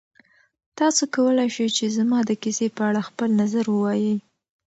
تاسو کولی شئ چې زما د کیسې په اړه خپل نظر ووایئ.